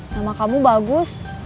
nama kamu bagus